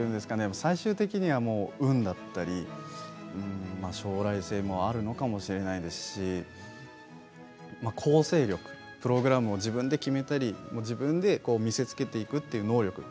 最終的には運だったり将来性もあるのかもしれませんし構成力、プログラムを自分で決めたり自分で見せつけていくという能力